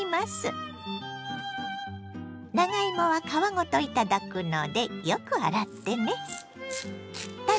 長芋は皮ごと頂くのでよく洗ってね。